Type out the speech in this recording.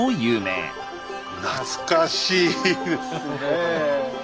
懐かしいですねえ。